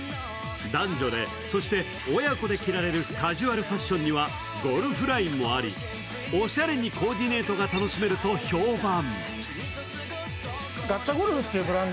男女で、そして親子で着られるカジュアルファッションにはゴルフラインもあり、おしゃれにコーディネートが楽しめると評判。